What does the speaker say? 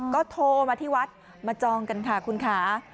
ก็โทรมาที่วัดมาจองกันค่ะคุณค่ะ